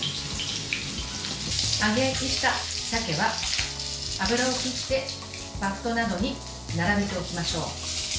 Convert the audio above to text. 揚げ焼きした鮭は油を切ってバットなどに並べておきましょう。